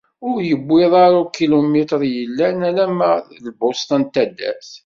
Ur yewwiḍ ara ukilumitr i yellan alamma d lbusṭa n taddart.